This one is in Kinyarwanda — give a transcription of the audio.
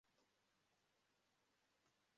Abagabo babiri bakora ikamyo ya sima kumanywa